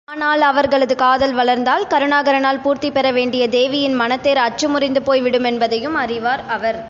ஆனால் அவர்களது காதல் வளர்ந்தால், கருணாகரனால் பூர்த்திபெறவேண்டிய தேவியின் மனத்தேர் அச்சுமுறிந்து போய்விடுமென்பதையும் அறிவார் அவர்.